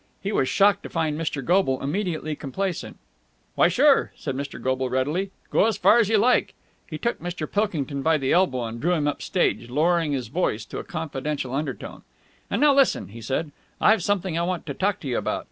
He was shocked to find Mr. Goble immediately complaisant. "Why, sure," said Mr. Goble readily. "Go as far as you like!" He took Mr. Pilkington by the elbow and drew him up stage, lowering his voice to a confidential undertone. "And now, listen," he said, "I've something I want to talk to you about.